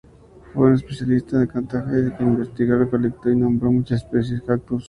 Fue un especialista en Cactaceae, que investigó, recolectó y nombró muchas especies de cactus.